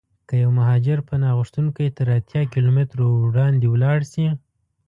که یو مهاجر پناه غوښتونکی تر اتیا کیلومترو وړاندې ولاړشي.